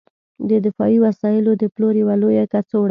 د دفاعي وسایلو د پلور یوه لویه کڅوړه